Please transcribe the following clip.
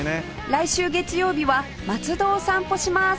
来週月曜日は松戸を散歩します